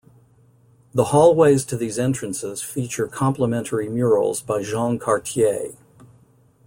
The hallways to these entrances feature complementary murals by Jean Cartier.